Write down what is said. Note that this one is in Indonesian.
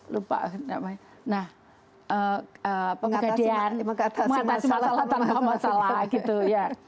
lupa namanya nah masalah tanpa masalah gitu ya